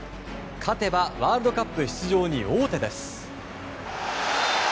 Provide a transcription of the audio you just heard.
勝てばワールドカップ出場に王手です。